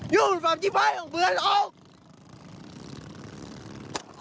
อยู่ในฝันที่ไฟคุณเว้นออก